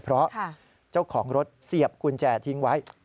เพราะเจ้าของรถเสียบกุญแจทิ้งไว้